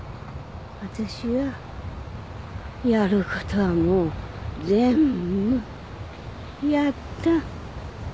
わたしはやることはもう全部やった。